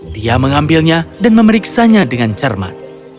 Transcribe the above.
dia mengambilnya dan memeriksanya dengan cermat